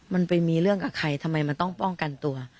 มันไปมีเรื่องกับใครทำไมมันต้องป้องกันตัว